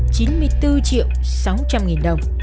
chưa bao gồm chín trăm linh sáu triệu ba trăm linh nghìn đồng